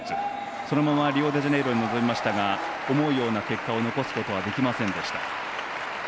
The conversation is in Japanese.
そのままリオデジャネイロに臨みましたが思うような結果を残すことはできませんでした。